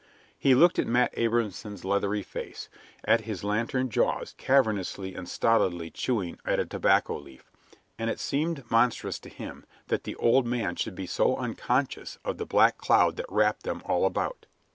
He looked at Matt Abrahamson's leathery face, at his lantern jaws cavernously and stolidly chewing at a tobacco leaf, and it seemed monstrous to him that the old man should be so unconscious of the black cloud that wrapped them all about.